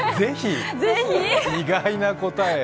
意外な答え。